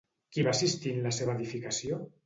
Qui va assistir en la seva edificació?